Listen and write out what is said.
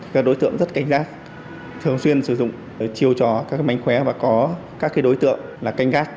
các đối tượng rất cảnh giác thường xuyên sử dụng chiêu trò các mánh khóe và có các đối tượng canh gác